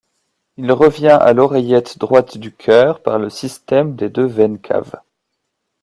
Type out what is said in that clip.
Il revient à l’oreillette droite du cœur par le système des deux veines caves.